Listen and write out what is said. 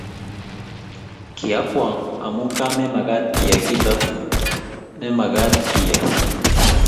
kiakwong amu kaa mamekat iyai kito ne mwkat iyai